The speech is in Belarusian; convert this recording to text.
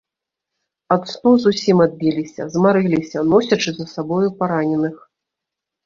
Ад сну зусім адбіліся, змарыліся, носячы за сабою параненых.